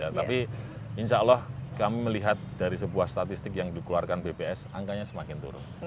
tapi insya allah kami melihat dari sebuah statistik yang dikeluarkan bps angkanya semakin turun